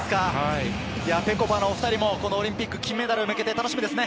ぺこぱのお２人もオリンピック金メダルに向けて楽しみですね。